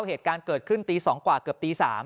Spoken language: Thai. เหตุการณ์เกิดขึ้นตี๒กว่าเกือบตี๓